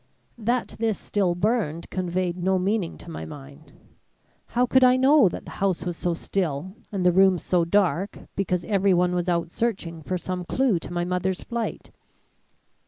That this still burned conveyed no meaning to my mind. How could I know that the house was so still and the rooms so dark because everyone was out searching for some clue to my mother's flight?